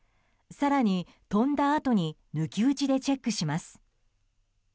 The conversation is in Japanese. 更に飛んだあとに抜き打ちでチェックします。